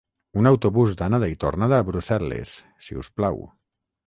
Un autobús d'anada i tornada a Brussel·les, si us plau.